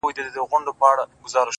زما د خيال د فلسفې شاعره ‘